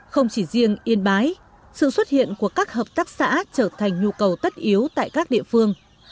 không chỉ riêng yên bái sự xuất hiện của các hợp tác xã trở thành nhu cầu tất yếu tại các địa phương